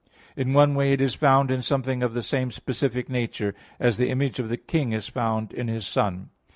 In one way it is found in something of the same specific nature; as the image of the king is found in his son.